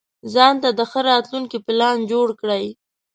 ځانته د ښه راتلونکي پلان جوړ کړئ.